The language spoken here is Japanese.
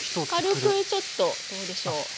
軽くちょっとどうでしょう？